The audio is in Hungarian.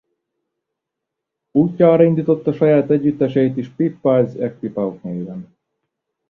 Útjára indította saját együttesét is Pip Pyle’s Equip’Out néven.